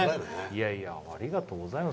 ありがとうございます。